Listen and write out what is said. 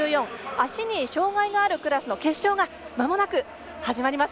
足に障がいがあるクラスの決勝がまもなく始まります。